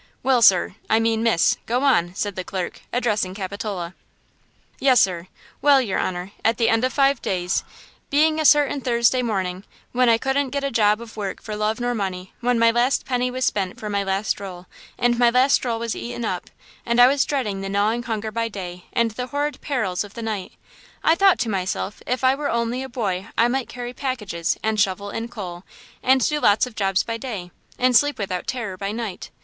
"Well, sir–I mean, miss–go on!" said the clerk, addressing Capitola. "Yes, sir. Well, your honor, at the end of five days, being a certain Thursday morning, when I couldn't get a job of work for love nor money, when my last penny was spent for my last roll, and my last roll was eaten up, and I was dreading the gnawing hunger by day and the horrid perils of the night, I thought to myself if I were only a boy I might carry packages and shovel in coal, and do lots of jobs by day, and sleep without terror by night.